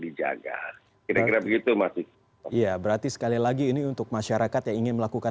dijaga kira kira begitu masih ya berarti sekali lagi ini untuk masyarakat yang ingin melakukan